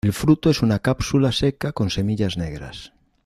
El fruto es una cápsula seca con semillas negras.